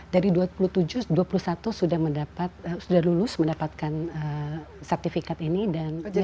dari dua puluh tujuh dua puluh satu sudah lulus mendapatkan sertifikat ini dan